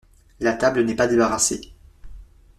La table n’est pas débarrassée.